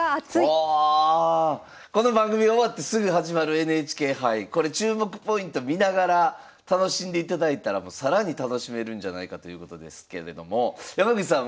この番組終わってすぐ始まるＮＨＫ杯これ注目ポイント見ながら楽しんでいただいたら更に楽しめるんじゃないかということですけれども山口さん